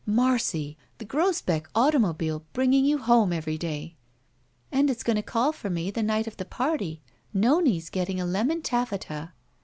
"Marcy! the Grosbeck automobile bringing you home every day!" "And it's going to caU for me the night of the party. Nome's getting a lemon taffeta."